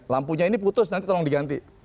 lampunya ini putus nanti tolong diganti